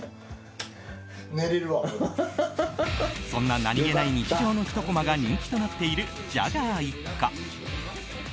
そんな何気ない日常のひとコマが人気となっているジャガー一家。